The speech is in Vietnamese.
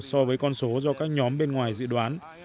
so với con số do các nhóm bên ngoài dự đoán